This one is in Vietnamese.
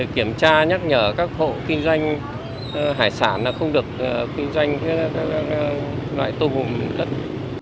kiểm tra nhắc nhở các hộ kinh doanh hải sản không được kinh doanh